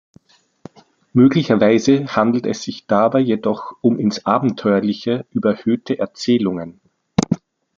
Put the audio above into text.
Möglicherweise handelt es sich dabei jedoch um ins Abenteuerliche überhöhte Erzählungen.